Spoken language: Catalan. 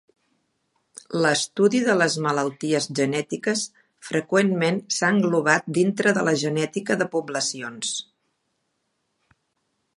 L'estudi de les malalties genètiques freqüentment s'ha englobat dintre de la genètica de poblacions.